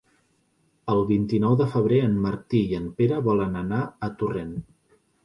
El vint-i-nou de febrer en Martí i en Pere volen anar a Torrent.